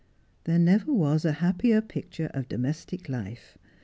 There never was a happier picture of domestic life.